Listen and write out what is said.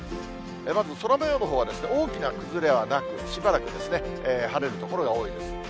まず空もようのほうは、大きな崩れはなく、しばらく晴れる所が多いです。